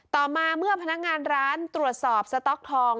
ต่อมาเมื่อพนักงานร้านตรวจสอบสต๊อกทอง